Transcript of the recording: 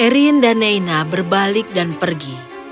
erin dan neina berbalik dan pergi